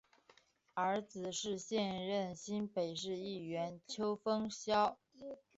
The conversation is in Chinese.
儿子是现任新北市议员邱烽尧。